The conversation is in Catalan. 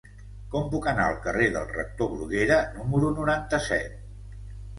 Com puc anar al carrer del Rector Bruguera número noranta-set?